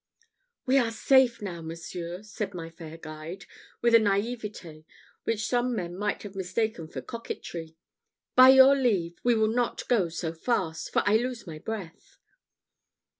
"We are safe now, monseigneur," said my fair guide, with a naïvete which some men might have mistaken for coquetry: "by your leave, we will not go so fast, for I lose my breath."